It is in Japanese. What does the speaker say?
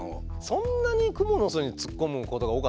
そんなにクモの巣に突っ込むことが多かったんですか？